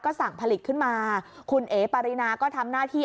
สั่งผลิตขึ้นมาคุณเอ๋ปารินาก็ทำหน้าที่